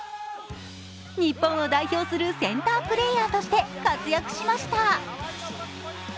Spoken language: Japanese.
日本を代表するセンタープレーヤーとして活躍しました。